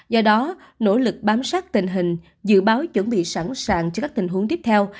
do đó nỗ lực bám sát tình hình dự báo chuẩn bị sẵn sàng cho các tình huống tiếp theo